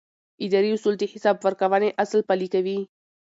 اداري اصول د حساب ورکونې اصل پلي کوي.